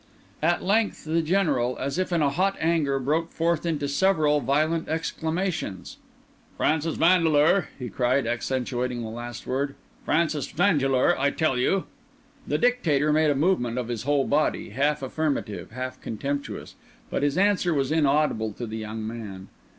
At length the General, as if in a hot anger, broke forth into several violent exclamations. "Francis Vandeleur!" he cried, accentuating the last word. "Francis Vandeleur, I tell you." The Dictator made a movement of his whole body, half affirmative, half contemptuous, but his answer was inaudible to the young man.